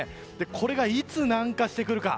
これが、いつ南下してくるか。